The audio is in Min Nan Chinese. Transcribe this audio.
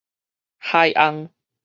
海翁